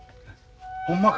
ほんまか？